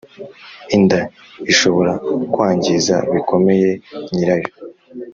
Inda Ishobora Kwangiza Bikomeye nyirayo